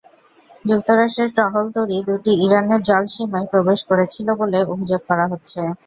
যুক্তরাষ্ট্রের টহল-তরী দুটি ইরানের জলসীমায় প্রবেশ করেছিল বলে অভিযোগ করা হচ্ছে।